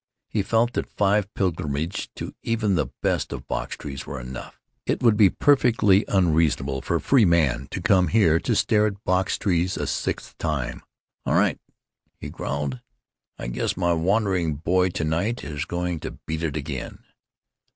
He felt that five pilgrimages to even the best of box trees were enough. It would be perfectly unreasonable for a free man to come here to stare at box trees a sixth time. "All right," he growled. "I guess my wandering boy to night is going to beat it again."